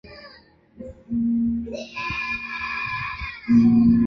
起初美希及沙夫师傅早就挑选了阿兰及阿烈作为其中两名战士。